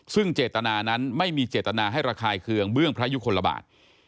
ซึ่งเจตนานั้นไม่มีเจตนาให้ระคายเคืองเบื้องพระยุคลบาท